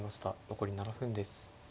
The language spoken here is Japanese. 残り７分です。